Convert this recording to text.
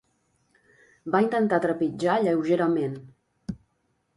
Va intentar trepitjar lleugerament.